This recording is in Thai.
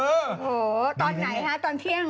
โอ้โหตอนไหนคะตอนเที่ยง